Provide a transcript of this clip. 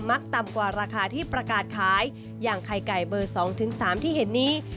ักต่ำกว่าราคาที่ประกาศขายอย่างไข่ไก่เบอร์๒๓ที่เห็นนี้